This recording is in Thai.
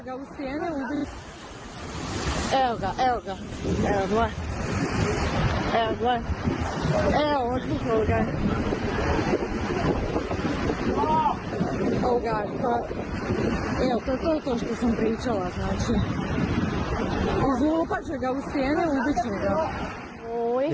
คุณผู้ชมลองดูจังหวะที่นักท่องเที่ยวต่างชาวถ่ายไว้